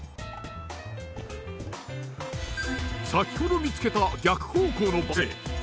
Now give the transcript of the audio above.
先ほど見つけた逆方向のバス停。